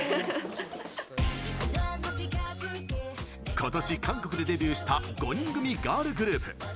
今年、韓国でデビューした５人組ガールグループ。